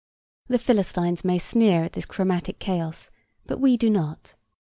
The Philistines may sneer at this chromatic chaos, but we do not.